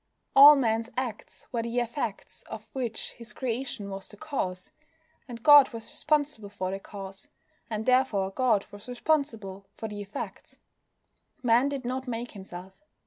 All man's acts were the effects of which his creation was the cause: and God was responsible for the cause, and therefore God was responsible for the effects. Man did not make himself.